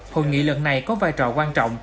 hội nghị lần này có vai trò quan trọng